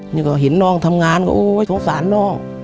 นี่ก็เห็นน้องทำงานก็โอ๊ยสงสารน้อง